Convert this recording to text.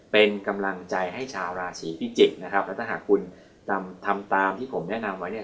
เป็นกำลังใจให้ชาวราศีพิจิกษ์นะครับแล้วถ้าหากคุณทำตามที่ผมแนะนำไว้เนี่ย